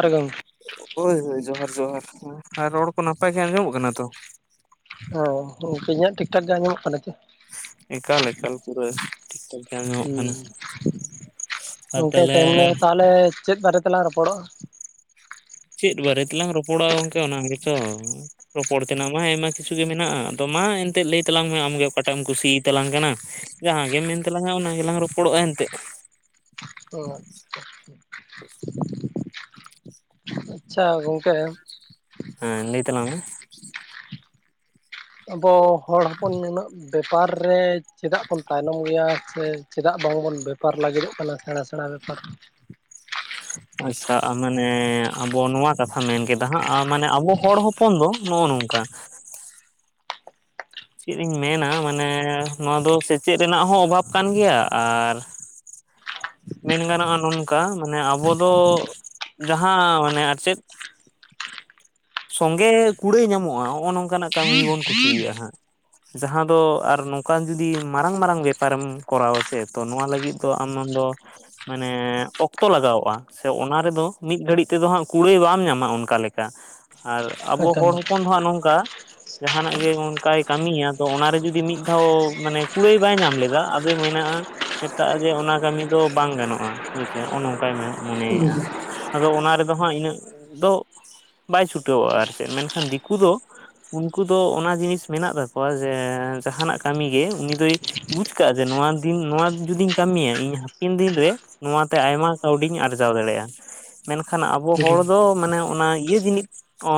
ᱟᱨ ᱜᱚᱝ ᱦᱳᱭ ᱦᱳᱭ, ᱡᱚᱦᱟᱨ ᱡᱚᱦᱟᱨ, ᱦᱮᱸ ᱦᱮᱸ, ᱨᱚᱲ ᱠᱚ ᱱᱟᱯᱟᱭ ᱜᱮ ᱟᱸᱡᱚᱢᱚᱜ ᱠᱟᱱᱟ ᱛᱚ? ᱦᱮᱸ, ᱜᱚᱝᱠᱮ ᱤᱧᱟᱹᱜ ᱴᱷᱤᱠᱴᱷᱟᱠ ᱜᱮ ᱟᱧᱡᱚᱟᱢᱚᱜ ᱠᱟᱱᱟ ᱪᱮ? ᱮᱠᱟᱞᱼᱮᱠᱟᱞ ᱯᱩᱨᱟᱹ। ᱴᱷᱤᱠ ᱴᱷᱟᱠ ᱜᱮ ᱟᱸᱡᱚᱢᱚᱜ ᱠᱟᱱᱟ ᱦᱩᱸ, ᱟᱨ ᱜᱚᱝᱠᱮ ᱛᱟᱦᱚᱞᱮ ᱛᱮᱦᱮᱧ ᱫᱚ ᱛᱟᱦᱚᱞᱮ ᱪᱮᱫ ᱵᱟᱨᱮ ᱛᱮᱞᱟᱝ ᱨᱚᱯᱚᱲᱚᱜᱼᱟ? ᱪᱮᱫ ᱵᱟᱨᱮ ᱛᱮᱞᱟᱝ ᱨᱚᱯᱚᱲᱚᱜᱼᱟ ᱜᱚᱝᱠᱮ ᱚᱱᱟ ᱜᱮᱛᱚ! ᱨᱚᱯᱚᱲ ᱛᱮᱱᱟᱜ ᱢᱟ ᱟᱭᱢᱟ ᱠᱤᱪᱷᱩ ᱜᱮ ᱢᱮᱱᱟᱜᱼᱟ, ᱟᱫᱚ ᱢᱟ ᱮᱱᱛᱮᱫ ᱞᱟᱹᱭ ᱛᱟᱞᱟᱝ ᱢᱮ ᱟᱢᱜᱮ ᱚᱠᱟᱴᱟᱜ ᱮᱢ ᱠᱩᱥᱭᱟᱛᱟᱞᱟᱝ ᱠᱟᱱᱟ? ᱡᱟᱦᱟᱸ ᱜᱮᱢ ᱢᱮᱱ ᱛᱟᱞᱟᱝᱟ ᱚᱱᱟ ᱜᱮᱞᱟᱝ ᱨᱚᱯᱚᱲᱚᱜᱼᱟ ᱮᱱᱛᱮᱜ ᱾ ᱚᱻ ᱟᱪᱪᱷᱟ, ᱜᱚᱝᱠᱮ! ᱦᱮᱸ, ᱞᱮᱭ ᱛᱟᱞᱟᱝ ᱢᱮ ᱾ ᱟᱵᱚ ᱦᱚᱲ ᱦᱚᱯᱚᱱ ᱱᱩᱱᱟᱹᱜ ᱵᱮᱯᱟᱨ ᱨᱮ ᱪᱮᱫᱟᱜ ᱵᱚᱱ ᱛᱟᱭᱱᱚᱢ ᱜᱮᱭᱟ ᱥᱮ, ᱪᱮᱫᱟᱜ ᱵᱟᱝᱵᱚᱱ ᱵᱮᱯᱟᱨ ᱞᱟᱹᱜᱤᱫᱚᱜ ᱠᱟᱱᱟ ᱥᱮᱬᱟ ᱥᱮᱬᱟ? ᱦᱚ ᱟᱪᱪᱷᱟ ᱢᱟᱱᱮ ᱟᱵᱚ ᱱᱚᱣᱟ ᱠᱟᱛᱷᱟ ᱢᱮᱱ ᱠᱮᱫᱟ ᱦᱟᱸᱜ ᱢᱟᱱᱮ ᱟᱵᱚ ᱦᱚᱲ ᱦᱚᱸ ᱦᱚᱯᱚᱱ ᱫᱚ ᱱᱚᱜᱼᱚ ᱱᱚᱝᱠᱟ ᱪᱮᱫ ᱤᱧ ᱢᱮᱱᱟ ᱢᱟᱱᱮ ᱱᱚᱣᱟ ᱫᱚ ᱥᱮᱪᱮᱫ ᱨᱮᱱᱟᱜ ᱦᱚᱸ ᱚᱵᱷᱟᱵᱽ ᱠᱟᱱ ᱜᱮᱭᱟ ᱟᱨ ᱢᱮᱱ ᱜᱟᱱᱚᱜᱼᱟ ᱱᱚᱝᱠᱟ ᱢᱟᱱᱮ ᱟᱵᱚ ᱫᱚ ᱡᱟᱦᱟᱸ ᱢᱟᱱᱮ ᱟᱨ ᱪᱮᱫ ᱥᱚᱝᱜᱮ ᱠᱩᱲᱟᱹᱭ ᱧᱟᱢᱚᱜᱼᱟ ᱱᱚᱜᱼᱚᱭ ᱱᱚᱝᱠᱟᱱᱟᱜ ᱠᱟᱹᱢᱤ ᱵᱚᱱ ᱠᱩᱥᱤᱭᱟᱭᱼᱟ ᱦᱟᱸᱜ। ᱡᱟᱦᱟᱸ ᱫᱚ ᱟᱨ ᱱᱚᱝᱠᱟᱱ ᱡᱩᱫᱤ ᱢᱟᱨᱟᱝᱼ ᱢᱟᱨᱟᱝ ᱵᱮᱯᱟᱨᱮᱢ ᱠᱚᱨᱟ ᱟᱥᱮ ᱛᱚ ᱱᱚᱣᱟ ᱞᱟᱹᱜᱤᱫ ᱛᱚ ᱟᱢᱫᱚ ᱢᱟᱱᱮ ᱚᱠᱛᱚ ᱞᱟᱜᱟᱣᱚᱜᱼᱟ। ᱥᱮ ᱚᱱᱟ ᱨᱮᱫᱚ ᱢᱤᱫ ᱜᱷᱟᱹᱲᱤᱡ ᱛᱮᱫᱚ ᱦᱟᱸᱜ ᱠᱩᱲᱟᱹᱭ ᱵᱟᱢ ᱧᱟᱢᱟ ᱚᱱᱠᱟ ᱞᱮᱠᱟ। ᱟᱨ ᱟᱵᱚ ᱦᱮᱸ ᱥᱮ ᱦᱚᱲ ᱵᱟᱝ? ᱦᱚᱯᱚᱱ ᱫᱚᱦᱟᱸᱜ ᱱᱚᱝᱠᱟ ᱡᱟᱦᱱᱟᱜ ᱜᱮ ᱚᱱᱠᱟᱭ ᱠᱟᱹᱢᱤᱭᱟ ᱛᱚ ᱚᱱᱟᱨᱮ ᱡᱩᱫᱤ ᱢᱤᱫ ᱫᱷᱟᱣ ᱢᱟᱱᱮ ᱠᱩᱲᱟᱹᱭ ᱵᱟᱭ ᱧᱟᱢ ᱞᱮᱫᱟ ᱢᱮᱱᱟᱜᱼᱟ ᱢᱮᱛᱟᱜᱼᱟ ᱡᱮ ᱚᱱᱟ ᱠᱟᱹᱢᱤ ᱫᱚ ᱵᱟᱝ ᱜᱟᱱᱚᱜᱼᱟ ᱦᱳᱭᱥᱮ ᱱᱚᱜᱼᱚᱭ ᱱᱚᱝᱠᱟᱭ ᱢᱮᱱᱟ। ᱢᱚᱱᱮᱭᱮᱫᱼᱟ ᱟᱫᱚ ᱚᱱᱟ ᱨᱮᱫᱚ ᱦᱟᱸᱜ ᱤᱱᱟᱹᱜ ᱫᱚ ᱵᱟᱭ ᱪᱷᱩᱴᱟᱹᱚᱜᱼᱟ ᱟᱨ ᱪᱮᱫ ᱢᱮᱱᱠᱷᱟᱱ ᱫᱤᱠᱩ ᱫᱚ ᱩᱱᱠᱩ ᱫᱚ ᱚᱱᱟ ᱡᱤᱱᱤᱥ ᱢᱮᱱᱟᱜ ᱛᱟᱠᱚᱣᱟ ᱡᱮ ᱡᱟᱦᱟᱱᱟᱜ ᱠᱟᱹᱢᱤ ᱜᱮ ᱩᱱᱤ ᱫᱚᱭ ᱵᱩᱡ ᱠᱟᱜᱼᱟ ᱡᱮ ᱱᱚᱣᱟ ᱫᱤᱱ ᱱᱚᱣᱟ ᱡᱩᱫᱤᱧ ᱠᱟᱹᱢᱤᱭᱟ ᱤᱧ ᱦᱟᱯᱮᱱ ᱫᱤᱱᱨᱮ ᱱᱚᱣᱟᱛᱮ ᱟᱭᱢᱟ ᱠᱟᱹᱣᱰᱤᱧ ᱟᱨᱡᱟᱣ ᱫᱟᱲᱮᱭᱟᱜᱼᱟ, ᱢᱮᱱᱠᱷᱟᱱ ᱟᱵᱚ ᱦᱚᱲ ᱫᱚ ᱢᱟᱱᱮ ᱚᱱᱟ ᱤᱭᱟᱹ ᱡᱤᱱᱤᱥ ᱚ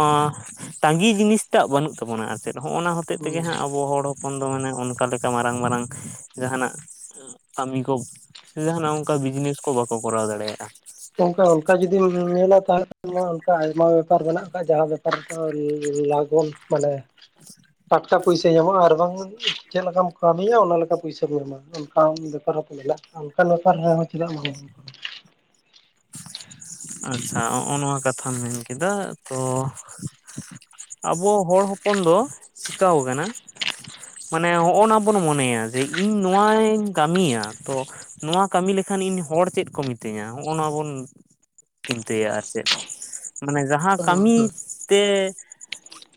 ᱛᱟᱺᱜᱤ ᱡᱤᱱᱤᱥᱴᱟᱜ ᱵᱟᱹᱱᱩᱜ ᱛᱟᱵᱚᱱᱟ ᱟᱨ ᱪᱮᱫ ᱦᱚᱸᱜᱼᱚ ᱱᱟ ᱦᱚᱛᱮᱡ ᱛᱮᱜᱮ ᱦᱩᱸ ᱦᱟᱸᱜ ᱟᱵᱚ ᱦᱚᱲ ᱚᱠᱷᱚᱱ ᱫᱚ ᱢᱟᱱᱮ ᱚᱱᱠᱟ ᱞᱮᱠᱟ ᱢᱟᱨᱟᱝ ᱢᱟᱨᱟᱝ ᱡᱟᱦᱟᱸᱱᱟᱜ ᱠᱟᱹᱢᱤ ᱠᱚ ᱥᱮ ᱡᱟᱦᱟᱱᱟᱜ ᱚᱱᱠᱟ ᱵᱤᱡᱽᱱᱮᱥ ᱠᱚ ᱵᱟᱠᱚ ᱠᱚᱨᱟᱣ ᱫᱟᱲᱮᱭᱟᱜᱼᱟ। ᱜᱚᱝᱠᱮ ᱚᱱᱠᱟ ᱡᱩᱫᱤ ᱡᱩᱫᱤᱢ ᱧᱮᱞᱟ ᱛᱟᱦᱮᱸ ᱠᱷᱟᱱ ᱢᱟ ᱚᱱᱠᱟ ᱟᱭᱢᱟ ᱵᱮᱯᱟᱨ ᱢᱮᱱᱟᱜ ᱟᱠᱟᱫ ᱡᱟᱦᱟᱸ ᱵᱮᱯᱟᱨᱫᱚ ᱞᱚᱜᱚᱱ ᱢᱟᱱᱮ ᱴᱟᱠᱟ ᱯᱚᱭᱥᱟ ᱧᱟᱢᱚᱜᱼᱟ ᱟᱨ ᱵᱟᱝ ᱪᱮᱫ ᱞᱮᱠᱟᱢ ᱠᱟᱹᱢᱤᱭᱟ ᱚᱱᱟᱞᱮᱠᱟ ᱯᱚᱭᱥᱟ ᱠᱚ ᱮᱢᱟᱢᱟ। ᱚᱱᱠᱟᱱ ᱵᱮᱯᱟᱨ ᱦᱚᱸᱠᱚ ᱢᱮᱱᱟᱜ ᱚᱱᱠᱟᱱ ᱵᱮᱯᱟᱨ ᱨᱮᱦᱚᱸ ᱪᱮᱫᱟᱜ ᱵᱟᱝ ᱟᱪᱪᱷᱟ ᱱᱚᱜᱼᱚ ᱱᱚᱣᱟ ᱠᱟᱛᱷᱟᱢ ᱢᱮᱱ ᱠᱮᱫᱟ ᱛᱚ ᱟᱵᱚ ᱦᱚᱲ ᱦᱚᱯᱚᱱ ᱫᱚ ᱪᱤᱠᱟᱹᱣ ᱠᱟᱱᱟ ᱢᱟᱱᱮ ᱦᱚᱜᱼᱱᱟ ᱵᱚᱱ ᱢᱚᱱᱮᱭᱟ ᱡᱮ ᱤᱧ ᱱᱚᱣᱟᱧ ᱠᱟᱹᱢᱤᱭᱟ ᱛᱚ ᱱᱚᱣᱟ ᱠᱟᱹᱢᱤ ᱞᱮᱠᱷᱟᱱ ᱤᱧ ᱦᱚᱲ ᱪᱮᱫ ᱠᱚ ᱢᱤᱛᱟᱹᱧᱟ ᱦᱚᱜᱼᱱᱟ ᱵᱚᱱ ᱪᱤᱱᱛᱟᱹᱭᱟ ᱟᱨ ᱪᱮᱫ ᱢᱟᱱᱮ ᱡᱟᱦᱟᱸ ᱠᱟᱹᱢᱤ ᱛᱮ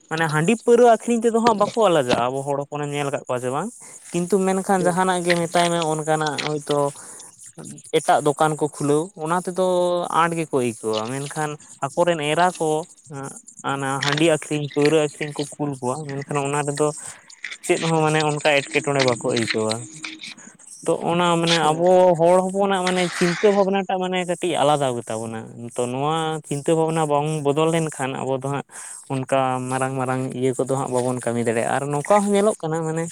ᱢᱟᱱᱮ ᱦᱟᱺᱰᱤ ᱯᱟᱹᱣᱨᱟᱹ ᱟᱹᱷᱨᱤᱧ ᱛᱮᱫᱚ ᱦᱟᱸᱜ ᱵᱟᱠᱚ ᱞᱟᱡᱟᱜᱼᱟ ᱟᱵᱚ ᱦᱚᱲ ᱦᱚᱯᱚᱱᱮᱢ ᱧᱮᱞ ᱟᱠᱟᱫ ᱠᱚᱣᱟ ᱡᱮ ᱵᱟᱝ ᱠᱤᱱᱛᱩ ᱠᱷᱟᱱ ᱡᱟᱦᱟᱸᱱᱟᱜ ᱜᱮ ᱢᱮᱛ ᱛᱟᱭ ᱢᱮ ᱚᱱᱠᱟᱱᱟᱜ ᱦᱚᱭᱛᱚ ᱮᱴᱟᱜ ᱫᱚᱠᱟᱱ ᱠᱚ ᱠᱷᱩᱞᱟᱹᱣ ᱚᱱᱟ ᱛᱮᱫᱚ ᱟᱸᱴ ᱜᱮᱠᱚ ᱟᱹᱭᱠᱟᱹᱣᱟ ᱢᱮᱱᱠᱷᱟᱱ ᱟᱠᱚᱨᱮᱱ ᱮᱨᱟ ᱠᱚ ᱚᱱᱟ ᱦᱟᱺᱰᱤ ᱟᱹᱠᱷᱨᱤᱧ ᱯᱟᱹᱣᱨᱟᱹ ᱟᱹᱠᱷᱨᱤᱧ ᱠᱚ ᱠᱩᱞ ᱠᱚᱣᱟ ᱢᱮᱱᱠᱷᱟᱱ ᱚᱱᱟ ᱨᱮᱫᱚ ᱪᱮᱫ ᱦᱚᱸ ᱢᱟᱱᱮ ᱚᱱᱠᱟ ᱮᱸᱴᱠᱮᱴᱚᱬᱮ ᱵᱟᱠᱚ ᱟᱹᱭᱠᱟᱹᱣᱟ ᱾ ᱛᱚ ᱚᱱᱟ ᱢᱟᱱᱮ ᱟᱵᱚ ᱦᱚᱲ ᱦᱚᱯᱚᱱᱟᱜ ᱢᱟᱱᱮ ᱪᱤᱱᱛᱟᱹ ᱵᱷᱟᱵᱱᱟᱴᱟᱜ ᱢᱟᱱᱮ ᱠᱟᱹᱴᱤᱡ ᱟᱞᱟᱫᱟ ᱛᱟᱵᱚᱱᱟ ᱱᱤᱛᱚ ᱱᱚᱣᱟ ᱪᱤᱱᱛᱟᱹ ᱵᱷᱟᱵᱱᱟ ᱵᱟᱝ ᱵᱚᱫᱚᱞ ᱞᱮᱱᱠᱷᱟᱱ ᱟᱵᱚ ᱫᱚ ᱦᱟᱸᱜ ᱚᱱᱠᱟ ᱢᱟᱨᱟᱝ ᱢᱟᱨᱟᱝ ᱤᱭᱟᱹ ᱠᱚᱫᱚ ᱦᱟᱸᱜ ᱵᱟᱵᱚᱱ ᱠᱟᱹᱢᱤ ᱫᱟᱲᱮᱭᱟᱜ-ᱟ ᱟᱨ ᱱᱚᱝᱠᱟ ᱦᱚᱸ ᱧᱮᱞᱚᱜ ᱠᱟᱱᱟ ᱢᱟᱱᱮ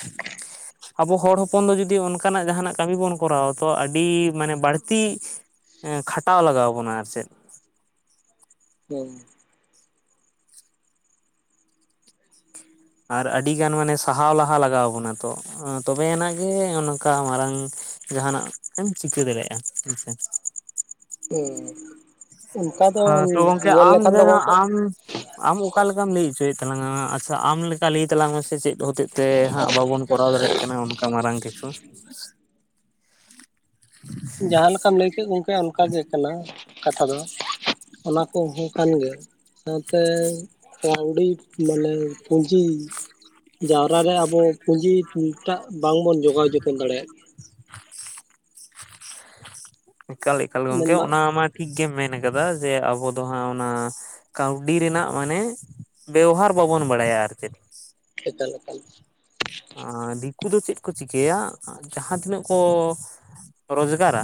ᱟᱵᱚ ᱦᱚᱲ ᱦᱚᱯᱚᱱ ᱫᱚ ᱡᱩᱫᱤ ᱚᱱᱠᱟᱱᱟᱜ ᱡᱟᱦᱟᱱᱟᱜ ᱠᱟᱹᱢᱤ ᱵᱚᱱ ᱠᱚᱨᱟᱣᱟ ᱛᱚ ᱟᱹᱰᱤ ᱢᱟᱱᱮ ᱵᱟᱹᱲᱛᱤ ᱮᱸ ᱠᱷᱟᱴᱟᱣ ᱞᱟᱜᱟᱣ ᱵᱚᱱᱟ ᱟᱨ ᱪᱮᱫ ᱾ ᱦᱮᱸ ᱟᱨ ᱟᱹᱰᱤ ᱜᱟᱱ ᱢᱟᱱᱮ ᱥᱟᱦᱟᱣ ᱞᱟᱦᱟ ᱞᱟᱜᱟᱣ ᱟᱵᱚᱱᱟ ᱛᱚ᱾ ᱟᱸ ᱛᱚᱵᱮ ᱟᱱᱟᱜ ᱜᱮ ᱱᱚᱝᱠᱟ ᱢᱟᱨᱟᱝ ᱡᱟᱦᱟᱸᱱᱟᱜ ᱮᱢ ᱪᱤᱠᱟᱹ ᱫᱟᱲᱮᱭᱟᱜᱼᱟ ᱦᱮᱸ ᱥᱮ᱾ ᱦᱮᱸ᱾ ᱦᱮᱸ ᱛᱚ ᱜᱚᱝᱠᱮ ᱦᱟᱜ ᱟᱢ ᱫᱚ ᱡᱟᱦᱟᱸ ᱜᱚᱝᱠᱮ ᱟᱢ ᱟᱢ ᱚᱠᱟ ᱞᱮᱠᱟᱢ ᱞᱟᱹᱭ ᱚᱪᱚᱭᱮᱫ ᱛᱟᱞᱟᱝᱟ᱾ ᱟᱪᱪᱷᱟ ᱟᱢ ᱞᱮᱠᱟ ᱞᱟᱹᱭ ᱛᱟᱞᱟᱝ ᱢᱮ ᱥᱮ᱾ ᱪᱮᱫ ᱦᱚᱛᱮᱡ ᱛᱮ, ᱦᱟᱸᱜ ᱵᱟᱵᱚᱱ ᱠᱚᱨᱟᱼᱣ ᱫᱟᱲᱮᱭᱟᱼᱜ ᱠᱟᱱᱟ ᱾ ᱚᱱᱠᱟ ᱢᱟᱨᱟᱝ ᱠᱤᱪᱷᱩ ᱡᱟᱦᱟᱸ ᱞᱮᱠᱟᱢ ᱞᱟᱹᱭ ᱠᱮᱫ ᱜᱚᱝᱠᱮ, ᱚᱱᱠᱟ ᱜᱮ ᱠᱟᱱᱟ᱾ ᱠᱟᱛᱷᱟ ᱫᱚ ᱚᱱᱟ ᱠᱚ, ᱦᱳ ᱠᱷᱟᱱ ᱜᱮᱭᱟ᱾ ᱥᱟᱶ ᱛᱮ, ᱠᱟᱹᱣᱰᱤ ᱢᱟᱱᱮ ᱯᱩᱸᱡᱤ ᱡᱟᱣᱨᱟ ᱨᱮ, ᱟᱵᱚ ᱯᱩᱸᱡᱤ ᱴᱟᱜ ᱵᱟᱝ ᱵᱚᱱ ᱡᱚᱜᱟᱼᱣ ᱡᱚᱛᱚᱱ ᱫᱟᱲᱮᱭᱟ-ᱜ ᱮᱠᱟᱞ - ᱮᱠᱟᱞ ᱜᱚᱝᱠᱮ ᱢᱮᱱᱫᱚ ᱚᱱᱟ ᱢᱟ ᱴᱷᱤᱠ ᱜᱮᱢ ᱢᱮᱱ ᱠᱟᱫᱟ᱾ ᱡᱮ ᱟᱵᱚ ᱫᱚ ᱦᱟᱸᱜ ᱚᱱᱟ᱾ ᱠᱟᱹᱣᱰᱤ ᱨᱮᱱᱟᱼᱜ ᱢᱟᱱᱮ ᱵᱮᱣᱦᱟᱨ ᱵᱟᱵᱚᱱ ᱵᱟᱲᱟᱭᱼᱟ᱾ ᱟᱨ ᱪᱮᱫ ᱴᱷ ᱮᱠᱟᱞ - ᱮᱠᱟᱞ᱾ ᱟᱸ ᱫᱤᱠᱩ ᱫᱚ ᱪᱮᱫ ᱠᱚ ᱪᱤᱠᱟᱹᱭᱼᱟ᱾ ᱡᱟᱦᱟᱸ ᱛᱤᱱᱟᱹᱜ ᱠᱚ ᱨᱳᱡᱽᱜᱟᱨ ᱟ᱾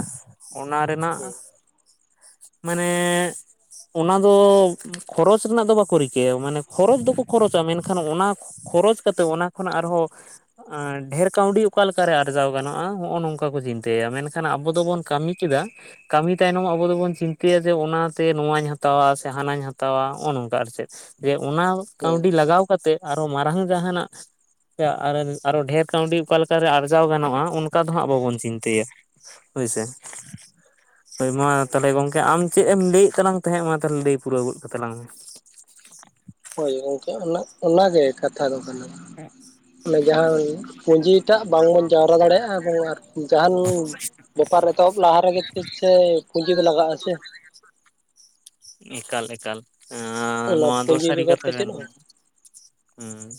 ᱚᱱᱟ ᱨᱮᱱᱟᱼᱜ ᱦᱮᱸ ᱢᱟᱱᱮᱻ ᱚᱱᱟ ᱫᱚ, ᱠᱷᱚᱨᱚᱪ ᱨᱮᱱᱟ-ᱜ ᱫᱚ, ᱵᱟᱠᱚ ᱨᱤᱠᱟᱹᱭᱼᱟ᱾ ᱢᱟᱱᱮ ᱠᱷᱚᱨᱚᱪ ᱫᱚ-ᱠᱚ ᱠᱷᱚᱨᱚᱪᱟ᱾ ᱢᱮᱱᱠᱷᱟᱱ ᱚᱱᱟ ᱠᱷᱚᱨᱚᱪ ᱠᱟᱛᱮᱫ᱾ ᱚᱱᱟ ᱠᱷᱚᱱ ᱟᱨᱦᱚᱸ ᱟᱸ ᱰᱷᱽᱮᱨ ᱠᱟᱹᱣᱰᱤ, ᱚᱠᱟ ᱞᱮᱠᱟ ᱨᱮ ᱟᱨᱡᱟᱣ ᱜᱟᱱᱚᱜ-ᱟ᱾ ᱦᱚᱜ-ᱚ ᱱᱚᱝᱠᱟ ᱠᱚ, ᱪᱤᱱᱛ ᱛᱮᱭᱟ ᱢᱮᱱᱠᱷᱟᱱ ᱟᱵᱚ, ᱫᱚᱵᱚᱱ ᱠᱟᱹᱢᱤ ᱠᱮᱫᱟ᱾ ᱠᱟᱹᱢᱤ ᱛᱟᱭᱱᱚᱢ ᱟᱵᱚ ᱫᱚᱵᱚᱱ ᱪᱤᱱᱛᱟᱹᱭᱟ᱾ ᱡᱮ ᱚᱱᱟ ᱛᱮ ᱱᱚᱣᱟᱧ ᱦᱟᱛᱟᱣᱼᱟ᱾ ᱥᱮ ᱦᱟᱱᱟᱧ ᱦᱟᱛᱟᱣᱼᱟ᱾ ᱦᱚᱜᱼᱚ ᱱᱚᱝᱠᱟ ᱟᱨ ᱪᱮᱫ, ᱡᱮ ᱚᱱᱟ ᱠᱟᱹᱣᱰᱤ ᱦᱮᱸ ᱞᱟᱜᱟ-ᱣ ᱠᱟᱛᱮᱫ, ᱟᱨᱚ ᱢᱟᱨᱟᱝ ᱡᱟᱦᱟᱱᱟᱼᱜ ᱛᱮ ᱟᱨᱮᱞ ᱟᱨᱚ ᱰᱷᱽᱮᱨ ᱠᱟᱹᱣᱰᱤ, ᱚᱠᱟ ᱞᱮᱠᱟ ᱨᱮ ᱟᱨᱡᱟ-ᱣ ᱜᱟᱱᱚᱜ-ᱟ᱾ ᱚᱱ ᱠᱟ ᱫᱚ ᱦᱟᱸᱜ ᱵᱟᱵᱚᱱ ᱪᱤᱱᱛᱟᱹᱭᱼᱟ᱾ ᱦᱳᱭ ᱥᱮ, ᱦᱳᱭ ᱢᱟ ᱛᱟᱦᱚᱞᱮ ᱜᱚᱝᱠᱮ ᱟᱢ ᱪᱮᱫ ᱮᱢ ᱞᱟᱹᱭᱮᱫ ᱛᱟᱞᱟᱝ ᱛᱟᱦᱮᱸ ᱚᱱᱟ ᱾ ᱛᱟᱦᱚᱞᱮ ᱞᱟᱹᱭ ᱯᱩᱨᱟᱹᱣ ᱜᱚᱫ, ᱠᱟᱛᱟ ᱞᱟᱝ ᱢᱮ᱾ ᱦᱳᱭ ᱜᱚᱝᱠᱮ ᱚᱱᱟ᱾ ᱚᱱᱟ ᱜᱮ ᱠᱟᱛᱷᱟ ᱫᱚ ᱠᱟᱱᱟ᱾ ᱚᱱᱮ ᱡᱟᱦᱟᱸᱢ ᱯᱩᱸᱡᱤ ᱴᱟᱜ, ᱵᱟᱵᱚᱱ ᱡᱟᱣᱨᱟ ᱫᱟᱲᱮᱭᱟᱜ-ᱟ ᱾ ᱮᱵᱚᱝ ᱟᱨ ᱡᱟᱦᱟᱱ ᱵᱮᱯᱟᱨ ᱮᱛᱚᱦᱚᱵ ᱞᱟᱦᱟ ᱨᱮᱜᱮ, ᱠᱟᱹᱪᱮᱯ ᱯᱩᱸᱡᱤ ᱫᱚ, ᱞᱟᱜᱟᱜ-ᱟ᱾ ᱥᱮ ᱮᱠᱟᱞ - ᱮᱠᱟᱞ ᱟᱸ ᱚᱱᱟ ᱱᱚᱣᱟ ᱫᱚ, ᱯᱩᱸᱡᱤ ᱥᱟᱹᱨᱤ ᱵᱮᱜᱚᱨ ᱠᱟᱛᱷᱟ ᱛᱮ ᱠᱟᱱ ᱪᱮᱫ ᱦᱚᱸ ᱦᱩᱸ᱾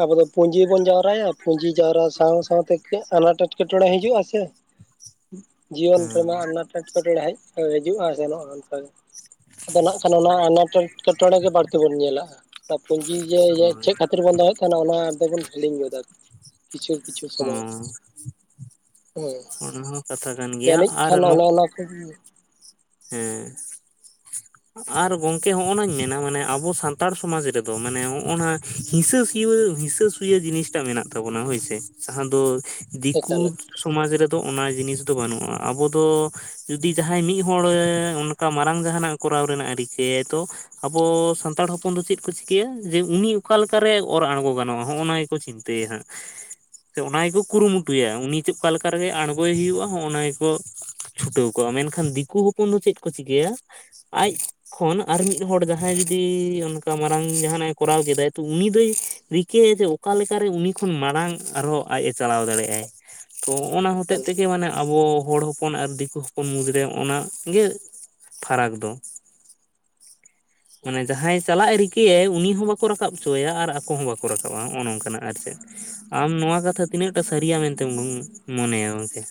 ᱟᱵᱚ ᱫᱚ ᱯᱩᱸᱡᱤ ᱵᱚᱱ ᱡᱟᱣᱨᱟᱭᱼᱟ᱾ ᱯᱩᱸᱡᱤ ᱡᱟᱣᱨᱟ ᱥᱟᱶ - ᱥᱟᱶ ᱛᱮᱠᱮ ᱟᱱᱟᱴ ᱮᱴᱠᱮᱴᱚᱬᱮᱸ ᱦᱤᱡᱩᱜ-ᱟ᱾ ᱥᱮ ᱡᱤᱭᱚᱱ ᱨᱮᱱᱟᱼᱜ ᱟᱱᱟᱴ ᱮᱴ [unintelligible] ᱦᱮᱡ ᱦᱤᱡᱩᱜ-ᱟ᱾ ᱥᱮᱱᱚᱜ-ᱟ᱾ ᱚᱱᱠᱟ ᱜᱮ, ᱟᱫᱚ ᱱᱟᱜ ᱠᱷᱟᱱ ᱚᱱᱟ ᱟᱱᱟᱴ ᱴᱮᱴᱠᱮᱴᱚᱬᱮᱸ ᱜᱮ ᱵᱟᱹᱲᱛᱤ ᱵᱚᱱ ᱧᱮᱞᱟᱜ-ᱟ᱾ ᱯᱩᱸᱡᱤ ᱡᱮ ᱡᱮ ᱦᱩᱸ ᱦᱳᱭ ᱪᱮᱫ ᱠᱷᱟᱹᱛᱤᱨ ᱵᱚᱱ ᱫᱚᱦᱚᱭᱮᱫ ᱠᱟᱱᱟ ᱚᱱᱟ ᱫᱚᱵᱚᱱ, ᱦᱤᱲᱤᱧ ᱜᱚᱫᱟ᱾ ᱠᱤᱪᱷᱩ - ᱠᱤᱪᱷᱩ ᱦᱚᱸ ᱥᱚᱢᱚᱭ ᱫᱚ, ᱦᱳᱭ᱾ ᱚᱱᱟ ᱦᱚᱸ ᱠᱟᱛᱷᱟ ᱠᱟᱱ ᱜᱮᱭᱟ ᱡᱟᱹᱱᱤᱡ ᱟᱨ ᱠᱷᱟᱱ ᱱᱚ ᱚᱱᱮ ᱚᱱᱟ ᱠᱚ ᱦᱮᱸ᱾ ᱟᱨ ᱜᱚᱝᱠᱮ ᱦᱚᱜ-ᱚ ᱱᱟᱧ ᱢᱮᱱᱟ᱾ ᱢᱟᱱᱮ ᱟᱵᱚ ᱥᱟᱱᱛᱟᱲ, ᱥᱚᱢᱟᱡᱽ, ᱨᱮᱫᱚ ᱢᱟᱱᱮ ᱱᱚᱜᱼᱚ ᱱᱟ᱾ ᱦᱤᱥᱟᱹ ᱥᱩᱣᱟᱹ - ᱦᱤᱥᱟᱹ ᱥᱩᱭᱟᱹ ᱡᱤᱱᱤᱥ ᱴᱟᱜ, ᱢᱮᱱᱟᱼᱜ ᱛᱟᱵᱚᱱᱟ᱾ ᱦᱳᱭ ᱥᱮ, ᱡᱟᱦᱟᱸ ᱫᱚ ᱮᱠᱟᱞ ᱫᱤᱠᱩ ᱥᱚᱢᱟᱡᱽ ᱨᱮᱫᱚ, ᱚᱱᱟ ᱡᱤᱱᱤᱥ ᱫᱚ᱾ ᱵᱟᱹᱱᱩᱜ-ᱟ ᱾ᱟᱵᱚ ᱫᱚ ᱡᱩᱫᱤ ᱡᱟᱦᱟᱸᱭ ᱢᱤᱫ ᱦᱚᱲ, ᱚᱱᱠᱟ ᱢᱟᱨᱟᱝ ᱡᱟᱦᱟᱱᱟᱼᱜ ᱠᱚᱨᱟᱣ ᱨᱮᱱᱟ-ᱜ ᱨᱤᱠᱟᱹᱭᱟᱭ ᱛᱚ ᱟᱵᱚ ᱥᱟᱱᱛᱟᱲ ᱦᱚᱯᱚᱱ ᱫᱚ, ᱪᱮᱫ ᱠᱚ ᱪᱤᱠᱟᱹᱭᱟ᱾ ᱡᱮ ᱩᱱᱤ ᱚᱠᱟᱞᱠᱟᱨᱮ ᱚᱨ ᱟᱬᱜᱚ ᱜᱟᱱᱚᱜᱼᱟ᱾ ᱦᱚᱜᱼᱚᱱᱟ ᱜᱮᱠᱚ ᱪᱤᱱᱛᱟᱹᱼᱟ ᱛᱟᱹ ᱭᱟ ᱾ᱦᱟᱸᱜ ᱥᱮ ᱚᱱᱟ ᱜᱮᱠᱚ ᱮᱠᱟᱞ ᱠᱩᱨᱩᱢᱩᱴᱩᱭᱼᱟ ᱾ᱩᱱᱤ ᱪᱮᱫ, ᱚᱠᱟ ᱞᱮᱠᱟ ᱨᱮᱜᱮ ᱟᱬᱜᱚᱭ ᱦᱩᱭᱩᱜᱼᱟ᱾ ᱚᱱᱟ ᱜᱮᱠᱚ ᱪᱷᱩᱴᱟᱹᱣ ᱠᱚᱜᱼᱟ᱾ ᱢᱮᱱᱠᱷᱟᱱ ᱫᱤᱠᱩ ᱦᱚᱯᱚᱱ ᱫᱚ᱾ ᱪᱮᱫ ᱠᱚ ᱪᱤᱠᱟᱹᱭᱟ᱾ ᱟᱡ ᱠᱷᱚᱱ, ᱟᱨ ᱢᱤᱫ ᱦᱚᱲ᱾ ᱡᱟᱦᱟᱸᱭ ᱡᱩᱫᱤ ᱚᱱᱠᱟ ᱢᱟᱨᱟᱝ ᱡᱟᱦᱟᱱᱟᱼᱜ ᱮ ᱠᱚᱨᱟᱣ ᱠᱮᱫᱟᱭ ᱾ᱛᱚ ᱩᱱᱤ ᱫᱚᱭ ᱨᱤᱠᱟᱹᱭᱟ ᱾ᱡᱮ ᱚᱠᱟ ᱞᱮᱠᱟᱨᱮ ᱩᱱᱤ ᱠᱷᱚᱱ ᱢᱟᱲᱟᱝ ᱟᱨᱦᱚᱸ ᱟᱡᱼ ᱮ ᱪᱟᱞᱟᱣ ᱫᱟᱲᱮᱭᱟᱜᱼ ᱟᱭ ᱛᱚ ᱚᱱᱟ ᱦᱚᱛᱮᱜ ᱛᱮᱜᱮ ᱢᱟᱱᱮ ᱟᱵᱚ ᱦᱚᱲ ᱦᱚ ᱦᱚᱯᱚᱱ ᱟᱨ ᱫᱤᱠᱩ ᱦᱚᱯᱚᱱ ᱢᱩᱫᱽᱨᱮ ᱚᱱᱟ ᱜᱮ ᱯᱷᱟᱨᱟᱠ ᱫᱚ ᱢᱟᱱᱮ ᱡᱟᱦᱟᱸᱭ ᱪᱟᱞᱟᱜ ᱮ ᱨᱤᱠᱟᱹᱭᱟᱭ ᱩᱱᱤ ᱦᱚᱸ ᱵᱟᱠᱚ ᱨᱟᱠᱟᱵ ᱦᱚᱪᱚᱣᱭᱟ ᱟᱨ ᱟᱠᱚ ᱦᱚᱸ ᱵᱟᱠᱚ ᱨᱟᱠᱟᱵᱼᱟ ᱱᱚᱜᱼᱚ ᱱᱚᱝᱠᱟ ᱟᱨ ᱪᱮᱫ ᱟᱢ ᱱᱚᱣᱟ ᱠᱟᱛᱷᱟ ᱛᱤᱱᱟᱹᱜᱴᱟ ᱥᱟᱹᱨᱤᱭᱟ ᱢᱮᱱᱛᱮᱢ ᱢᱚᱱᱮᱭᱟ ᱜᱚᱝᱠᱮ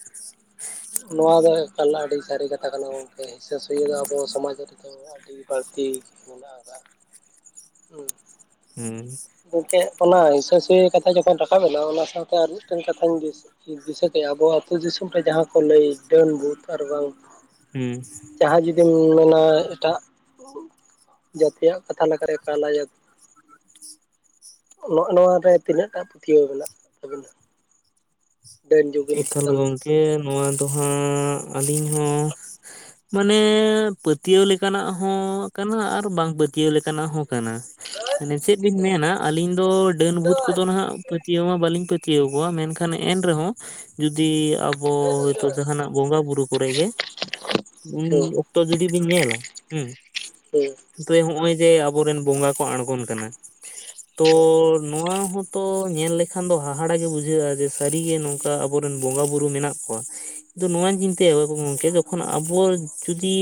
ᱱᱚᱣᱟ ᱫᱚ ᱮᱠᱟᱞ ᱟᱹᱰᱤ ᱥᱟᱹᱨᱤ ᱠᱟᱛᱷᱟ ᱠᱟᱱᱟ ᱜᱚᱝᱠᱮ ᱦᱤᱸᱥᱟᱹ ᱥᱩᱭᱟᱹ ᱫᱚ ᱟᱵᱚ ᱥᱚᱢᱟᱡᱽ ᱨᱮᱫᱚ ᱟᱹᱰᱤ ᱵᱟᱹᱲᱛᱤ ᱢᱮᱱᱟᱜ ᱟᱠᱟᱜᱼᱟ ᱦᱮᱸ ᱦᱩᱸ ᱜᱚᱝᱠᱮ ᱚᱱᱟ ᱦᱤᱥᱟᱹ-ᱥᱩᱭᱟᱹ ᱠᱟᱛᱷᱟ ᱡᱚᱠᱷᱚᱱ ᱨᱟᱠᱟᱵ ᱮᱱᱟ ᱚᱱᱟ ᱥᱟᱶᱛᱮ ᱟᱨ ᱢᱤᱫᱴᱮᱱ ᱠᱟᱛᱷᱟᱧ ᱫᱤᱥᱟᱹ ᱠᱮᱜᱼᱟ ᱟᱵᱚ ᱟᱹᱛᱩ ᱫᱤᱥᱚᱢ ᱨᱮ ᱡᱟᱦᱟᱸ ᱠᱚ ᱞᱟᱹᱭ ᱰᱟᱹᱱ, ᱵᱷᱩᱛ ᱟᱨ ᱵᱟᱝ ᱦᱩᱸ ᱡᱟᱦᱟᱸ ᱡᱩᱫᱤᱢ ᱢᱮᱱᱟ ᱮᱴᱟᱜ ᱡᱟᱹᱛᱤᱭᱟᱜ ᱠᱟᱛᱷᱟ ᱞᱮᱠᱟᱨᱮ ᱮᱠᱟ ᱞᱟᱭᱟ. ᱠ ᱱᱚᱜᱼᱚ ᱱᱚᱣᱟ ᱨᱮ ᱛᱤᱱᱟᱹᱜ ᱴᱟ ᱯᱟᱹᱛᱭᱟᱹᱣ ᱢᱮᱱᱟᱜ ᱛᱟᱵᱤᱱᱟ ᱰᱟᱹᱱ ᱡᱩᱜᱤᱱ ᱮᱠᱟᱞ ᱪᱮᱛᱟᱱ ᱜᱚᱢᱠᱮ ᱱᱚᱣᱟ ᱫᱚ ᱦᱟᱸᱜ ᱟᱹᱞᱤᱧ ᱦᱚᱸ ᱢᱟᱱᱮ ᱯᱟᱹᱛᱭᱟᱹᱣ ᱞᱮᱠᱟᱱᱟᱜ ᱦᱚᱸ ᱠᱟᱱᱟ ᱟᱨ ᱵᱟᱝ ᱯᱟᱹᱛᱭᱟᱹᱣ ᱞᱮᱠᱟᱱᱟᱜ ᱦᱚᱸ ᱠᱟᱱᱟ ᱢᱟᱱᱮ ᱪᱮᱫ ᱞᱤᱧ ᱦᱩᱸ ᱢᱮᱱᱟ ᱟ. ᱞᱤᱧ ᱫᱚ ᱰᱟᱹᱱ, ᱵᱷᱩᱛ ᱠᱚᱫᱚ ᱱᱟᱦᱟᱜ ᱯᱟᱹᱛᱭᱟᱹᱣ ᱢᱟ ᱵᱟᱹᱞᱤᱧ ᱯᱟᱹᱛᱭᱟᱹᱣ ᱠᱚᱣᱟ ᱢᱮᱱᱠᱷᱟᱱ ᱮᱱ ᱨᱮᱦᱚᱸ ᱡᱩᱫᱤ ᱟᱵᱚ ᱦᱚᱭᱛᱳ ᱡᱟᱦᱟᱱᱟᱜ ᱵᱚᱸᱜᱟ ᱵᱩᱨᱩ ᱠᱚᱨᱮ ᱜᱮ ᱩᱱ ᱦᱩᱸ ᱚᱠᱛᱚ ᱡᱩᱫᱤ ᱵᱤᱱ ᱧᱮᱞᱟ ᱦᱩᱸ ᱦᱮᱸ ᱛᱚ ᱦᱚᱜᱼᱚᱭ ᱡᱮ ᱟᱵᱚᱨᱮᱱ ᱵᱚᱸᱜᱟ ᱠᱚ ᱟᱬᱜᱚᱱ ᱠᱟᱱᱟ ᱛᱚᱻ ᱦᱮᱸ ᱱᱚᱣᱟ ᱦᱚᱛᱚ ᱧᱮᱞ ᱞᱮᱠᱷᱟᱱ ᱫᱚ ᱦᱟᱦᱟᱲᱟᱜ ᱜᱮ ᱵᱩᱡᱷᱟᱹᱜᱼᱟ ᱡᱮ ᱥᱟᱹᱨᱤ ᱜᱮ ᱱᱚᱝᱠᱟ ᱚᱱᱠᱟ ᱟᱵᱚᱨᱮᱱ ᱵᱚᱸᱜᱟᱼᱵᱩᱨᱩ ᱢᱮᱱᱟᱜ ᱠᱚᱣᱟ᱾ ᱫᱚ ᱱᱚᱣᱟᱧ ᱪᱤᱱᱛᱟᱹᱭᱟ ᱵᱟ. ᱵᱩ ᱜᱚᱝᱠᱮ ᱡᱚᱠᱷᱚᱱ ᱟᱵᱚ ᱡᱩᱫᱤ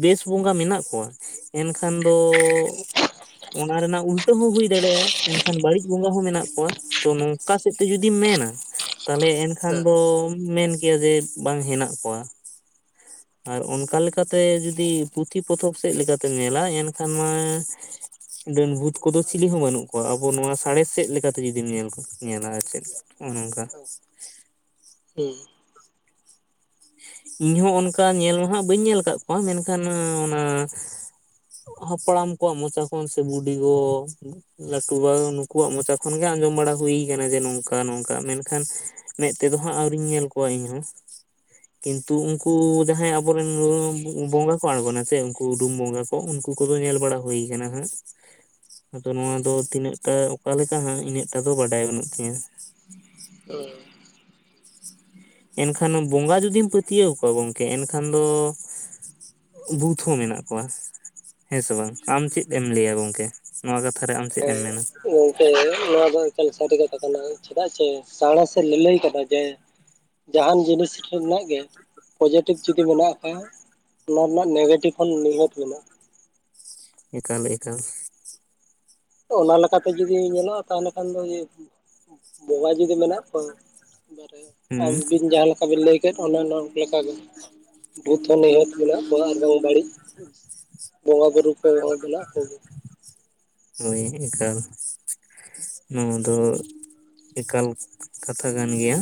ᱵᱮᱥ ᱵᱚᱸᱜᱟ ᱢᱮᱱᱟᱜ ᱠᱚᱣᱟ ᱮᱱᱠᱷᱟᱱ ᱫᱚᱻ ᱚᱱᱟ ᱨᱮᱱᱟᱜ ᱩᱞᱴᱟᱹ ᱦᱚᱸ ᱦᱩᱭ ᱫᱟᱲᱮᱭᱟᱜᱼᱟ ᱮᱱᱠᱷᱟᱱ ᱵᱟᱹᱲᱤᱡ ᱵᱚᱸᱜᱟ ᱦᱚᱸ ᱢᱮᱱᱟᱜ ᱠᱚᱣᱟ ᱛᱚ ᱱᱚᱝᱠᱟ ᱥᱮᱫ ᱛᱮ ᱡᱩᱫᱤᱢ ᱢᱮᱱᱟ ᱛᱟᱦᱞᱮ ᱮᱱᱠᱷᱟᱱ ᱦᱮᱸ ᱫᱚᱢ ᱢᱮᱱ ᱠᱮᱭᱟ ᱡᱮ ᱵᱟᱝ ᱦᱮᱱᱟᱜ ᱠᱚᱣᱟ᱾ ᱟᱨ ᱚᱱᱠᱟ ᱞᱮᱠᱟᱛᱮ ᱡᱩᱫᱤ ᱯᱩᱛᱷᱤ- ᱯᱚᱛᱚᱵ ᱥᱮᱫ ᱞᱮᱠᱟᱛᱮᱢ ᱧᱮᱞᱟ ᱮᱱᱠᱷᱟᱱ ᱢᱟ ᱰᱟᱹᱱ, ᱵᱷᱩᱛ ᱠᱚᱫᱚ ᱪᱤᱞᱤ ᱦᱚᱸ ᱵᱟᱹᱱᱩᱜ ᱠᱚᱣᱟ ᱟᱵᱚ ᱱᱚᱣᱟ ᱥᱟᱬᱮᱥ ᱥᱮᱫ ᱞᱮᱠᱟᱛᱮ ᱡᱩᱫᱤᱢ ᱧᱮᱞ ᱧᱮᱞᱟ ᱟᱨ ᱪᱮᱫ ᱚ ᱱᱚᱝᱠᱟ ᱦᱩᱸ ᱤᱧᱦᱚᱸ ᱚᱱᱠᱟ ᱧᱮᱞ ᱢᱟ ᱦᱟᱸᱜ ᱵᱟᱹᱧ ᱧᱮᱞ ᱟᱠᱟᱫ ᱠᱚᱣᱟ ᱢᱮᱱᱠᱷᱟᱱ ᱚᱱᱟ ᱦᱟᱯᱲᱟᱢ ᱠᱚᱣᱟᱜ ᱢᱚᱪᱟ ᱠᱷᱚᱱ ᱥᱮ ᱵᱩᱰᱤᱜᱚ ᱞᱟᱹᱴᱩ ᱵᱟ ᱱᱩᱠᱩᱣᱟᱜ ᱢᱚᱪᱟ ᱠᱷᱚᱱᱜᱮ ᱟᱸᱡᱚᱢ ᱵᱟᱲᱟ ᱦᱩᱭ ᱠᱟᱱᱟ ᱡᱮ ᱱᱚᱝᱠᱟ-ᱱᱚᱝᱠᱟ ᱢᱮᱱᱠᱷᱟᱱ ᱢᱮᱫ ᱛᱮᱫᱚ ᱦᱟᱸᱜ ᱟᱹᱣᱨᱤᱧ ᱧᱮᱞ ᱠᱚᱣᱟ ᱤᱧᱦᱚᱸ ᱠᱤᱱᱛᱩ ᱩᱱᱠᱩ ᱡᱟᱦᱟᱸᱭ ᱟᱵᱚᱨᱮᱱ ᱵᱚᱸᱜᱟ ᱠᱚ ᱟᱬᱜᱚᱱᱟ ᱥᱮ ᱩᱱᱠᱩ ᱨᱩᱢ ᱵᱚᱸᱜᱟ ᱩᱱᱠᱩ ᱠᱚᱫᱚ ᱧᱮᱞ ᱵᱟᱲᱟ ᱦᱩᱭ ᱟᱠᱟᱱᱟ ᱦᱟᱸᱜ ᱟᱫᱚ ᱱᱚᱣᱟ ᱫᱚ ᱛᱤᱱᱟᱹᱜ ᱴᱟ ᱚᱠᱟ ᱞᱮᱠᱟ ᱦᱟᱸᱜ ᱤᱱᱟᱹᱜᱴᱟ ᱫᱚ ᱵᱟᱰᱟᱭ ᱵᱟᱹᱱᱩᱜ ᱛᱤᱧᱟ ᱦᱚᱭ ᱮᱱᱠᱷᱟᱱ ᱵᱚᱸᱜᱟ ᱡᱩᱫᱤᱢ ᱯᱟᱹᱛᱭᱟᱹᱣ ᱠᱚᱣᱟ ᱜᱚᱢᱠᱮ ᱮᱱᱠᱷᱟᱱ ᱫᱚ ᱵᱷᱩᱛ ᱦᱚᱸ ᱢᱮᱱᱟᱜ ᱠᱚᱣᱟ ᱦᱮᱸᱥᱮ ᱵᱟᱝ ᱟᱢ ᱪᱮᱫ ᱮᱢ ᱞᱟᱹᱭᱟ ᱜᱚᱝᱠᱮ? ᱱᱚᱣᱟ ᱠᱟᱛᱷᱟ ᱨᱮ ᱟᱢ ᱪᱮᱫ ᱮᱢ ᱢᱮᱱᱟ ᱦᱮᱸ ᱦᱮᱸ ᱱᱚᱣᱟ ᱫᱚ ᱮᱠᱟᱞ ᱥᱟᱹᱨᱤ ᱠᱟᱛᱷᱟ ᱠᱟᱱᱟ ᱪᱮᱫᱟᱜ ᱪᱮ ᱥᱟᱬᱮᱥᱮ ᱞᱟᱹᱞᱟᱹᱭ ᱠᱟᱱᱟ ᱡᱮ ᱡᱟᱦᱟᱱ ᱡᱤᱱᱤᱥ ᱨᱮᱱᱟᱜ ᱜᱮ ᱯᱚᱡᱮᱴᱤᱵᱷ ᱡᱩᱚᱫᱤ ᱢᱮᱱᱟᱜ ᱠᱷᱟᱱ ᱚᱱᱟ ᱨᱮᱱᱟᱜ ᱱᱮᱜᱮᱴᱤᱵᱷ ᱦᱚ ᱱᱤᱦᱟᱹᱛ ᱢᱮᱱᱟᱜᱼᱟ ᱾ ᱮᱠᱟᱞ ᱮᱠᱟᱞ ᱛᱚ ᱚᱱᱟ ᱞᱮᱠᱟᱛᱮ ᱡᱩᱫᱤ ᱧᱮᱞᱚᱜᱼᱟ, ᱛᱟᱦᱚᱞᱮ ᱠᱷᱟᱱ ᱫᱚ ᱵᱚᱸᱵᱟ ᱡᱩᱫᱤ ᱢᱮᱱᱟᱜ ᱠᱚᱣᱟ ᱮᱟᱨᱮ ᱦᱩᱸ ᱟᱢᱵᱤᱱ ᱡᱟᱦᱟᱸ ᱞᱮᱠᱟ ᱵᱤᱱ ᱞᱟᱹᱭ ᱠᱮᱫ ᱚᱱᱮ ᱞᱮᱠᱟᱜᱮ ᱵᱷᱩᱛ ᱦᱚᱸ ᱱᱤᱦᱟᱹᱛ ᱢᱮᱱᱟᱜ ᱵᱚᱣᱟ ᱟᱨ ᱵᱟᱝ ᱵᱟᱹᱲᱤᱡ ᱵᱚᱸᱜᱟ ᱵᱩᱨᱩ ᱠᱚ ᱢᱮᱱᱟᱜ ᱠᱚᱜᱮᱭᱟ ᱦᱳᱭ ᱮᱱᱠᱟᱞ ᱱᱚᱣᱟ ᱫᱚ ᱮᱠᱟᱞ ᱠᱟᱛᱷᱟ ᱠᱟᱱ ᱜᱮᱭᱟ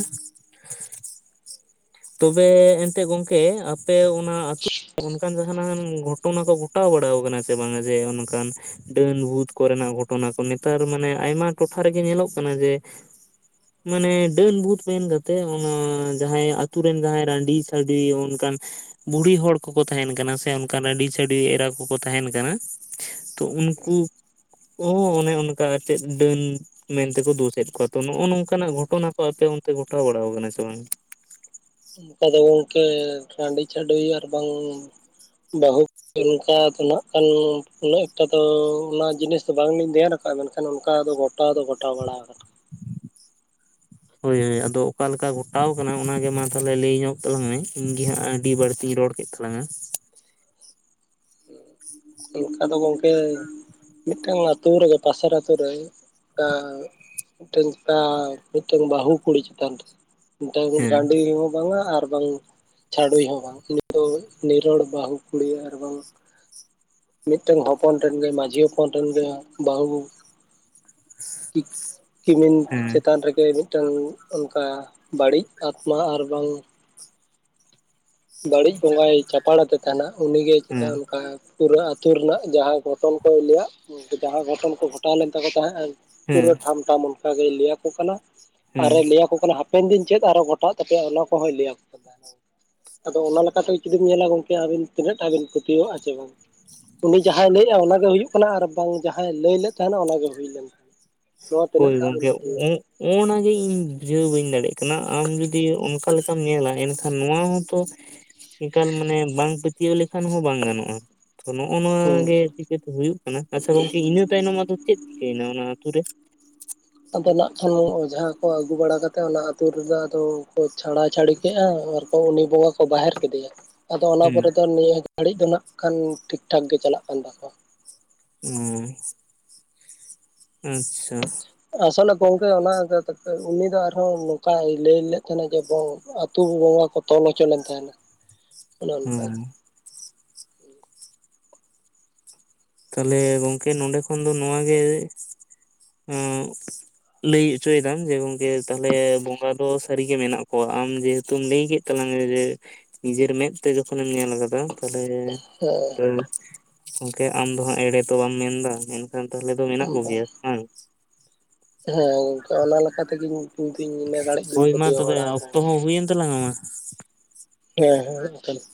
ᱛᱚᱵᱮ ᱮᱱᱛᱮᱫ ᱜᱚᱝᱠᱮ ᱟᱯᱮ ᱚᱱᱟ ᱟᱹᱛᱩ ᱚᱱᱠᱟᱱ ᱡᱟᱦᱟᱱᱟᱜ ᱜᱷᱚᱴᱚᱱᱟ ᱠᱚ ᱜᱷᱚᱴᱟᱣ ᱵᱟᱲᱟᱟᱣ ᱠᱟᱱᱟ ᱥᱮ ᱵᱟᱝᱟ ᱡᱮ ᱚᱱᱠᱟᱱ ᱰᱟᱹᱱ ᱵᱷᱩᱛ ᱠᱚᱨᱮᱱᱟᱜ ᱜᱷᱚᱴᱚᱱᱟ ᱠᱚ ᱱᱮᱛᱟᱨ ᱢᱟᱱᱮ ᱟᱭᱢᱟ ᱴᱚᱴᱷᱟ ᱨᱮᱜᱮ ᱧᱮᱞᱚᱜ ᱠᱟᱱᱟ ᱡᱮ ᱢᱟᱱᱮ ᱰᱟᱹᱱ ᱵᱩᱛ ᱢᱮᱱ ᱠᱟᱛᱮᱜ ᱚᱱᱟ ᱡᱟᱦᱟᱸᱟᱭ ᱛᱩᱨ ᱨᱮᱱ ᱡᱟᱦᱟᱸᱭ ᱨᱟᱺᱰᱤ ᱪᱷᱟᱰᱣᱤ ᱡᱟᱦᱟᱸᱭ ᱚᱱᱠᱟᱱ ᱵᱩᱲᱦᱤ ᱦᱚᱲ ᱠᱚᱠᱚ ᱛᱟᱦᱮᱱ ᱠᱟᱱᱟ ᱥᱮ ᱚᱱᱠᱟᱱ ᱟᱹᱰᱤ ᱪᱷᱟᱹᱰᱤ ᱮᱨᱟ ᱠᱚᱠᱚ ᱛᱟᱦᱮᱱ ᱠᱟᱱᱟ ᱛᱚ ᱩᱱᱠᱩ ᱦᱚᱸ ᱚᱱᱮ ᱚᱱᱠᱟ ᱟᱨ ᱪᱮᱫ ᱰᱟᱹᱱ ᱢᱮᱱᱛᱮᱠᱚ ᱫᱳᱥᱮᱫ ᱠᱚᱣᱟ ᱛᱚ ᱱᱚᱜᱼᱚ ᱱᱚᱝᱠᱟᱱᱟᱜ ᱜᱷᱚᱴᱚᱱᱟ ᱠᱚ ᱟᱯᱮ ᱚᱱᱛᱮ ᱜᱷᱚᱴᱟᱣ ᱵᱟᱲᱟ ᱠᱟᱱᱟ ᱥᱮ ᱵᱟᱝ? ᱚᱱᱠᱟ ᱫᱚ ᱜᱚᱝᱠᱮ ᱦᱟᱟᱺᱰᱤ ᱪᱷᱟᱹᱰᱳ ᱟᱨ ᱵᱟᱝᱟᱝ ᱵᱟᱹᱦᱩ ᱚᱱᱠᱟ ᱫᱚ ᱱᱟᱜ ᱠᱷᱟᱱ ᱩᱱᱟᱹᱜ ᱮᱠᱴᱟ ᱫᱚ ᱚᱱᱟ ᱡᱤᱱᱤᱥ ᱫᱚ ᱵᱟᱝᱞᱤᱧ ᱫᱷᱮᱭᱟᱱ ᱟᱠᱟᱜᱼᱟ ᱢᱮᱱᱠᱷᱟᱱ ᱚᱱᱠᱟ ᱫᱚ ᱜᱷᱚᱴᱟᱣ ᱫᱚ ᱜᱷᱚᱴᱟᱣ ᱵᱟᱲᱟ ᱠᱟᱱᱟ ᱦᱳᱭ ᱦᱳᱭ ᱟᱫᱚ ᱟᱠᱟᱞᱮᱠᱟ ᱜᱷᱚᱴᱟᱣ ᱟᱠᱟᱱᱟ? ᱚᱱᱟᱜᱮ ᱢᱟ ᱛᱟᱦᱚᱞᱮ ᱞᱟᱹᱭ ᱧᱚᱜ ᱛᱟᱞᱟᱝ ᱢᱮ ᱤᱧ ᱜᱮ ᱦᱟᱸᱜ ᱟᱹᱰᱤ ᱵᱟᱹᱲᱛᱤᱧ ᱨᱚᱲ ᱠᱮᱫ ᱛᱟᱞᱟᱝᱟ ᱚᱱᱠᱟ ᱫᱚ ᱜᱚᱝᱠᱮ ᱢᱤᱫᱴᱟᱝ ᱟᱹᱛᱩᱳ ᱨᱮᱜᱮ ᱯᱟᱥᱮᱨ ᱟᱛᱳ ᱨᱮ ᱠᱟ ᱢᱮᱫᱴᱮᱱ ᱚᱠᱟ ᱢᱮᱴᱮᱱ ᱵᱟᱹᱦᱩ ᱠᱩᱲᱤ ᱪᱮᱛᱟᱱ ᱨᱮ ᱢᱤᱫᱴᱟᱝ ᱦᱮᱸ ᱨᱟᱹᱰᱤ ᱵᱟᱝᱢᱟ ᱟᱨ ᱵᱟᱝ ᱪᱷᱟᱰᱣᱤᱭ ᱦᱚᱸ ᱵᱟᱝ ᱩᱱᱤ ᱫᱚ ᱱᱤᱨᱚᱲ ᱵᱟᱹᱦᱩ ᱠᱩᱲᱤ ᱟᱨ ᱵᱟᱝ ᱢᱤᱫᱴᱮᱱ ᱦᱚᱯᱚᱱ ᱨᱮᱱ ᱜᱮ ᱢᱟᱹᱡᱷᱤ ᱦᱚᱯᱚᱱ ᱨᱮᱱ ᱜᱮ ᱵᱟᱹᱦᱩ ᱠᱤᱢᱤᱱ ᱦᱮᱸ ᱪᱮᱛᱟᱱ ᱨᱮᱜᱮ ᱴᱟᱝ ᱚᱝᱠᱟ ᱵᱟᱹᱲᱤᱡ ᱟᱛᱢᱟ ᱟᱨ ᱵᱟᱝ ᱵᱟᱹᱲᱤᱡ ᱵᱚᱸᱜᱟᱭ ᱪᱟᱯᱟᱟᱲ ᱟᱫᱮ ᱛᱟᱦᱮᱱᱟ ᱩᱱᱤᱜᱮ ᱦᱮᱸ ᱪᱮᱛᱟᱱ ᱚᱱᱠᱟ ᱯᱩᱨᱟᱹ ᱟᱹᱛᱩ ᱨᱮᱱᱟᱜ ᱡᱟᱦᱟᱸ ᱜᱷᱚᱴᱚᱱ ᱠᱚ ᱞᱭᱟᱹᱭᱟ ᱡᱟᱦᱟᱸ ᱜᱷᱚᱴᱚᱱ ᱠᱚ ᱜᱷᱚᱴᱟᱣ ᱞᱮᱱ ᱛᱟᱠᱚ ᱛᱟᱦᱮᱸᱫ ᱦᱮᱸ ᱯᱩᱨᱟᱹ ᱴᱷᱟᱢ ᱴᱷᱟᱢ ᱚᱱᱠᱟᱜᱮ ᱞᱟᱹᱭᱟᱠᱚ ᱠᱟᱱᱟ ᱦᱮᱸ ᱟᱨᱮ ᱞᱟᱹᱭᱟᱠᱚ ᱠᱟᱱᱟ ᱦᱟᱯᱮᱱ ᱫᱤᱱ ᱪᱮᱫ ᱟᱨᱚ ᱜᱚᱴᱟᱜ ᱛᱟᱯᱮᱭᱟ ᱚᱱᱟ ᱠᱚᱦᱭ ᱞᱟᱹᱭᱟ [unintelligible] ᱟᱫᱚ ᱚᱱᱟ ᱞᱮᱠᱟᱛᱮ ᱡᱩᱫᱤᱢ ᱧᱮᱞᱟ ᱜᱚᱝᱠᱮ ᱟᱵᱤᱱ ᱛᱤᱱᱟᱹᱜ ᱴᱟᱜ ᱵᱤᱱ ᱯᱛᱭᱟᱹᱣᱟᱜ ᱟᱜ-ᱟ ᱥᱮ ᱵᱟᱝ? ᱩᱱᱤ ᱡᱟᱦᱟᱸᱟᱭ ᱞᱟᱹᱭᱮᱜᱼᱟ ᱜᱮ ᱦᱩᱭᱩᱜ ᱠᱟᱱᱟ ᱟᱨ ᱵᱟᱝ ᱡᱟᱦᱟᱸᱭ ᱞᱟᱹᱭ ᱞᱮᱫ ᱛᱟᱦᱮᱱᱟ ᱚᱱᱟᱜᱮ ᱦᱩᱭ ᱞᱮᱱᱟ ᱱᱚᱣᱟ ᱛᱤᱱᱟᱹᱜ ᱴᱟᱜ ᱵᱮᱤᱱ ᱯᱟᱹᱛᱤᱭᱚᱜ-ᱟ? ᱚᱱᱟᱱᱟᱜᱮ ᱤᱧ ᱵᱩᱡᱷᱟᱹᱣ ᱵᱟᱹᱧ ᱫᱟᱲᱮᱭᱟᱜ ᱠᱟᱱᱟ ᱟᱢ ᱡᱩᱫᱤ ᱚᱱᱠᱟ ᱞᱮᱠᱟᱢ ᱧᱮᱞᱟ ᱮᱱᱠᱷᱟᱱ ᱱᱚᱣᱟ ᱦᱚᱸᱛᱚ ᱮᱠᱟᱞ ᱢᱟᱱᱮ ᱵᱟᱝ ᱯᱟᱹᱛᱭᱟᱹᱣ ᱞᱮᱠᱷᱟᱱ ᱦᱚᱸ ᱵᱟᱝ ᱜᱟᱱᱚᱜᱼᱟ ᱛᱚ ᱱᱚᱜᱼᱚ ᱱᱚᱣᱟ ᱦᱩᱸ ᱜᱮ ᱪᱤᱠᱟᱹᱛᱮ ᱦᱩᱭᱩᱜ ᱠᱟᱱᱟ ᱟᱪᱪᱷᱟ ᱜᱚᱝᱠᱮ ᱤᱱᱟᱹ ᱛᱟᱭᱱᱚᱢ ᱟᱫᱚ ᱪᱮᱫ ᱪᱤᱠᱟᱹᱭᱮᱱᱟ ᱚᱱᱟ ᱟᱛ ᱨᱮ ᱟᱫᱚ ᱱᱟᱜ ᱠᱷᱚᱱᱟᱱ ᱚᱡᱷᱟ ᱠᱚ ᱟᱹᱜᱩ ᱵᱟᱲᱟ ᱠᱟᱛᱮᱫ ᱚᱱᱟ ᱟᱹᱛᱩ ᱨᱮᱫᱚ ᱟᱫᱚ ᱠᱚ ᱪᱷᱟᱲᱟ ᱪᱷᱟᱹᱲᱤ ᱠᱮᱫᱼᱟ ᱟᱨ ᱟᱫᱚ ᱩᱱᱤ ᱵᱚᱸᱜᱟ ᱠᱚ ᱵᱟᱦᱮᱨ ᱠᱮᱫᱮᱭᱟ ᱟᱫᱚ ᱚᱱᱟ ᱦᱮᱸ ᱚ ᱯᱚᱨᱮ ᱫᱚ ᱱᱤᱭᱟᱹ ᱜᱷᱟᱹᱲᱤᱡ ᱫᱚ ᱱᱟᱜ ᱠᱷᱟᱱ ᱴᱷᱤᱠ ᱴᱷᱟᱠ ᱜᱮ ᱪᱟᱞᱟᱜ ᱠᱟᱱ ᱛᱟᱠᱚᱣᱟ ᱾ ᱚᱸ ᱟᱪᱪᱷᱟ ᱾ ᱟᱥᱚᱞᱮ ᱜᱚᱝᱠᱮ ᱚᱱᱟ ᱛᱟ ᱛᱟ ᱩᱱᱤ ᱫᱚ ᱟᱨᱦᱚᱸ ᱱᱚᱝᱠᱟᱭ ᱞᱟᱹᱭ ᱞᱮᱫ ᱛᱟᱦᱮᱱᱟ ᱡᱮ ᱛᱩ ᱵᱚᱸᱜᱟ ᱠᱚ ᱛᱚᱞ ᱦᱚᱪᱚ ᱞᱮᱱ ᱛᱟᱦᱮᱱᱟ [unintelligible] ᱚᱱᱮ ᱚᱱᱠᱟᱭᱼᱼ ᱛᱟᱦᱞᱮ ᱜᱚᱝᱠᱮ ᱱᱚᱰᱮ ᱠᱷᱚᱱ ᱫᱚ ᱱᱚᱣᱟ ᱜᱮ ᱮᱜᱼᱼ ᱞᱟᱹᱭ ᱪᱚᱭᱮᱫᱟᱢ ᱡᱮ ᱜᱚᱝᱠᱮ ᱛᱟᱦᱚᱞᱮ ᱵᱚᱸᱜᱟ ᱫᱚ ᱥᱟᱹᱨᱤᱜᱮ ᱢᱮᱱᱟᱜ ᱠᱚᱣᱟ ᱟᱢ ᱡᱮᱦᱮᱛᱩᱢ ᱞᱟᱹᱭ ᱠᱮᱫᱼᱼ [unintelligible] ᱡᱮ ᱱᱤᱡᱮᱨ ᱢᱮᱫ ᱛᱮ ᱡᱚᱠᱷᱚᱱᱮᱢ ᱧᱮᱞ ᱟᱠᱟᱫᱟ ᱾ ᱛᱟᱦᱚᱞᱮ ᱦᱮᱸ ᱮ ᱜᱚᱝᱠᱮ ᱟᱢ ᱫᱚ ᱦᱟᱸᱜ ᱮᱲᱮ ᱛᱚ ᱵᱟᱢ ᱢᱮᱱᱫᱟ ᱢᱮᱱᱼᱼ ᱛᱟᱦᱚᱞᱮ ᱫᱚ ᱢᱮᱱᱟᱜ ᱠᱚᱜᱮᱭᱟ ᱦᱩᱸ ᱾ ᱦᱮᱸ ᱜᱚᱝᱠᱮ ᱚᱱᱟ ᱞᱮᱠᱟ ᱛᱮᱜᱮ ᱤᱧ ᱛᱤᱧ ᱞᱟᱹᱭ ᱫᱟᱲᱮᱜ ᱠᱟᱱᱟ ᱯᱟᱹᱛᱭᱟᱹᱣ ᱵᱟᱲᱟ ᱠᱟᱱᱟ ᱾ ᱛᱟᱞᱟᱝ ᱢᱟᱼᱼ ᱦᱮᱸ ᱦᱮᱸ ᱚᱱᱠᱟ ᱫᱚ ᱵᱟᱝ ᱾